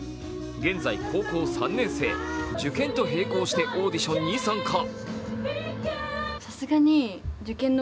現在、高校３年生、受験と並行してオーディションに参加。